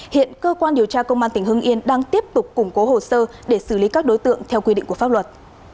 hiện cơ quan điều tra công an tỉnh hưng yên đang tiếp tục củng cố hồ sơ để xử lý các đối tượng theo quy định của pháp luật